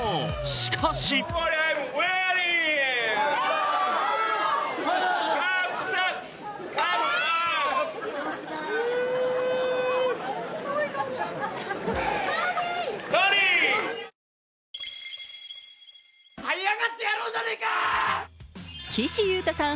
しかし岸優太さん